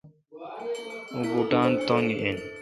اوں بوٹان تنگ این۔